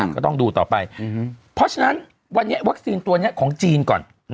ก็ต้องดูต่อไปเพราะฉะนั้นวันนี้วัคซีนตัวนี้ของจีนก่อน